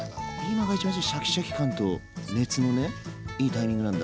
今が一番じゃあシャキシャキ感と熱のねいいタイミングなんだ。